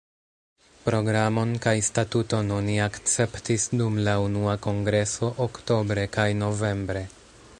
Programon kaj statuton oni akceptis dum la unua kongreso oktobre kaj novembre.